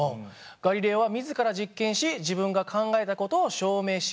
ガリレオは自ら実験し自分が考えた事を証明しようとしました。